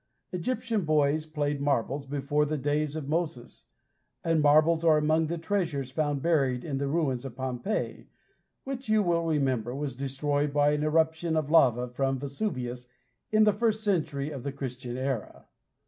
Egyptian boys played marbles before the days of Moses, and marbles are among the treasures found buried in the ruins of Pompeii, which you will remember was destroyed by an eruption of lava from Vesuvius in the first century of the Christian era.